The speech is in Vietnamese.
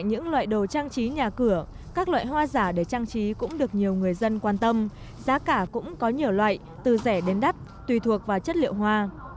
những loại đồ trang trí nhà cửa các loại hoa giả để trang trí cũng được nhiều người dân quan tâm giá cả cũng có nhiều loại từ rẻ đến đắt tùy thuộc vào chất liệu hoa